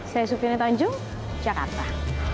saya supriya netanjung jakarta